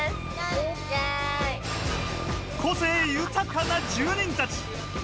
個性豊かな住人たち。